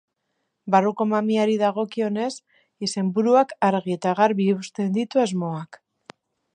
Barruko mamiari dagokionez, izenburuak argi eta garbi uzten ditu asmoak.